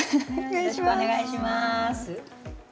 よろしくお願いします。